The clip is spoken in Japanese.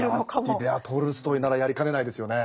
いやトルストイならやりかねないですよね。